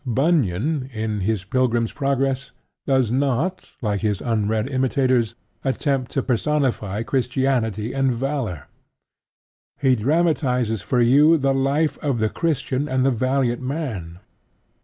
Bunyan, in his Pilgrim's Progress, does not, like his unread imitators, attempt to personify Christianity and Valour: he dramatizes for you the life of the Christian and the Valiant Man.